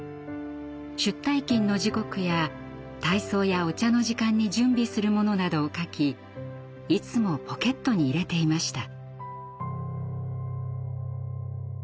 出退勤の時刻や体操やお茶の時間に準備するものなどを書きいつもポケットに入れていました。